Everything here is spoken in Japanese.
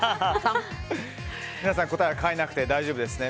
皆さん、答えは変えなくて大丈夫ですね。